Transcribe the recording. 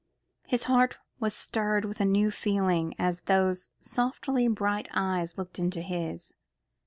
His heart was stirred with a new feeling as those softly bright eyes looked into his.